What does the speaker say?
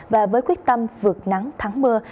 và với quyết tâm vượt nắng thắng mưa